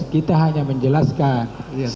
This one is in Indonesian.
kita hanya menjelaskan